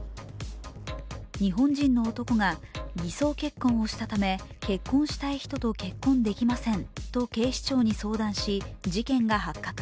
日本人の男が、偽装結婚をしたため結婚したい人と結婚できませんと警視庁に相談し、事件が発覚。